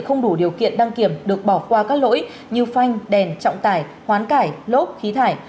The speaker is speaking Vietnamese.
không đủ điều kiện đăng kiểm được bỏ qua các lỗi như phanh đèn trọng tải hoán cải lốp khí thải